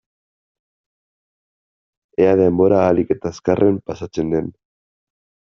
Ea denbora ahalik eta azkarren pasatzen den.